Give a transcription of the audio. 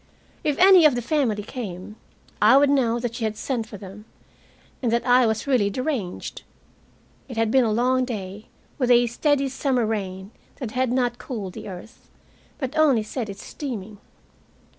If any of the family came, I would know that she had sent for them, and that I was really deranged! It had been a long day, with a steady summer rain that had not cooled the earth, but only set it steaming.